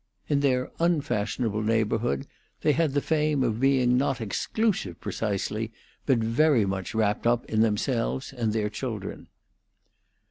In their unfashionable neighborhood they had the fame of being not exclusive precisely, but very much wrapped up in themselves and their children.